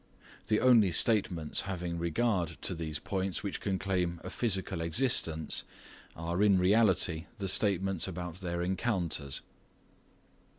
The only statements having regard to these points which can claim a physical existence are in reality the statements about their encounters.